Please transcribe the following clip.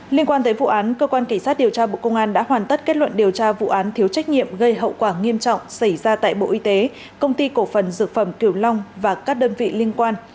liên quan tới vụ án cơ quan cảnh sát điều tra bộ công an đã hoàn tất kết luận điều tra vụ án thiếu trách nhiệm gây hậu quả nghiêm trọng xảy ra tại bộ y tế công ty cổ phần dược phẩm kiều long và các đơn vị liên quan